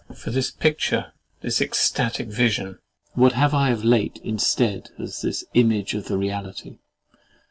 For this picture, this ecstatic vision, what have I of late instead as the image of the reality?